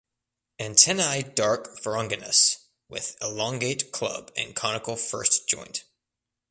Antennae dark ferruginous with elongate club and conical first joint.